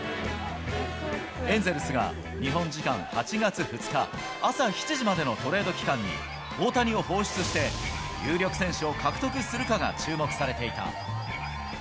エンゼルスが日本時間８月２日朝７時までのトレード期間に大谷を放出して、有力選手を獲得するかが注目されていた。